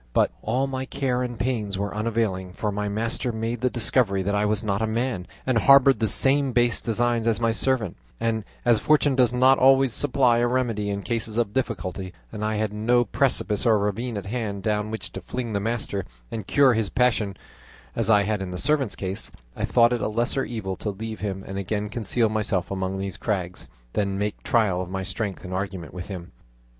But all my care and pains were unavailing, for my master made the discovery that I was not a man, and harboured the same base designs as my servant; and as fortune does not always supply a remedy in cases of difficulty, and I had no precipice or ravine at hand down which to fling the master and cure his passion, as I had in the servant's case, I thought it a lesser evil to leave him and again conceal myself among these crags, than make trial of my strength and argument with him.